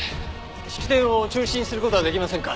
式典を中止にする事はできませんか？